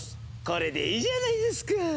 これでいいじゃないですかぁ！